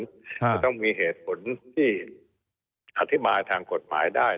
จะต้องมีเหตุผลที่อธิบายทางกฎหมายได้